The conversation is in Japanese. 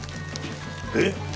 えっ？